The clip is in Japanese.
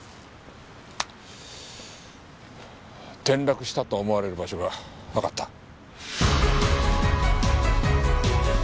転落したと思われる場所がわかった。